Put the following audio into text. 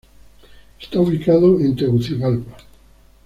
Está ubicado en Tegucigalpa.